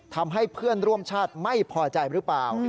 ทำให้เพื่อนร่วมชาติไม่พอใจหรือเปล่า